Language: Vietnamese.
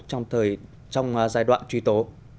trong giai đoạn truy tố